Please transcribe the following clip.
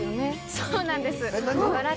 そうなんです。